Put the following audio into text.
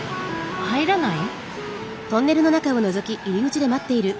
入らない？